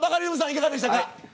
いかがでしたか。